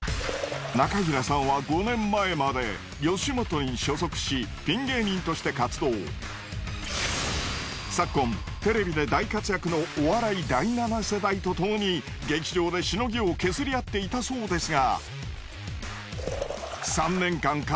中平さんは昨今テレビで大活躍のお笑い第７世代とともに劇場でしのぎを削りあっていたそうですが。